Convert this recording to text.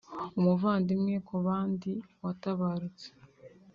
umuvandimwe ku bandi’’ watabarutse